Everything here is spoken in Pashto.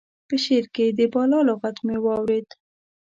په شعر کې د بالا لغت مې واورېد.